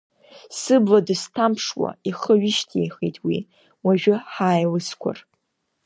Сыбла дызҭамԥшуа ихы ҩышьҭихит уи, уажәы ҳааилысқәар…